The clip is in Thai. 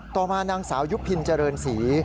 ต่อมานางสาวยุพินเจริญศรี